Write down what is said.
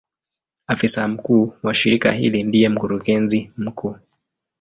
Afisa mkuu wa shirika hili ndiye Mkurugenzi mkuu.